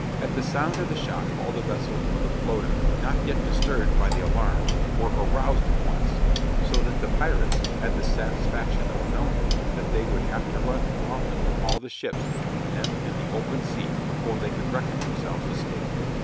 At the sound of the shot all the vessels of the flota not yet disturbed by the alarm were aroused at once, so that the pirates had the satisfaction of knowing that they would have to run the gantlet of all the ships between them and the open sea before they could reckon themselves escaped.